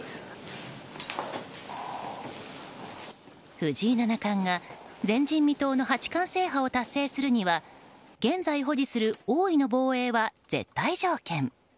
藤井七冠が前人未到の八冠制覇を達成するには現在保持する王位の防衛は絶対条件。